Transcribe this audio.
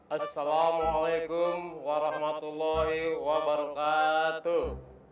assalamualaikum warahmatullahi wabarakatuh